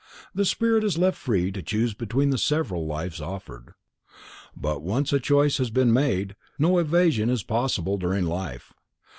The spirit is left free to choose between the several lives offered. But once a choice has been made no evasion is possible during life.